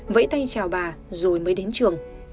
vẫy tay chào bà rồi mới đến trường